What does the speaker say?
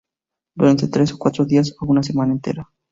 Durante tres o cuatro días o una semana entera.